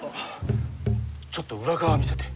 ちょっと裏側見せて。